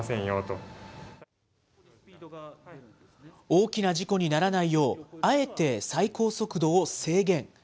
大きな事故にならないよう、あえて最高速度を制限。